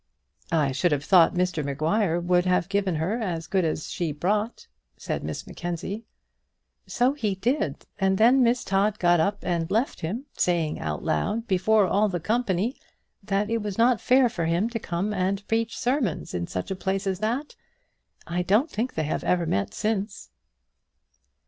"I should have thought Mr Maguire would have given her as good as she brought," said Miss Mackenzie. "So he did; and then Miss Todd got up and left him, saying out loud, before all the company, that it was not fair for him to come and preach sermons in such a place as that. I don't think they have ever met since."